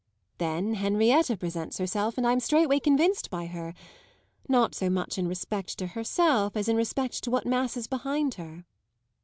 Then Henrietta presents herself, and I'm straightway convinced by her; not so much in respect to herself as in respect to what masses behind her."